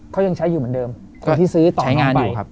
เขายังใช้อยู่เหมือนเดิม